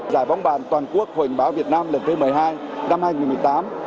giải bóng bàn toàn quốc hội báo việt nam lần thứ một mươi hai năm hai nghìn một mươi tám